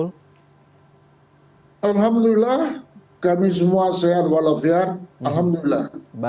alhamdulillah kami semua sehat walafiat alhamdulillah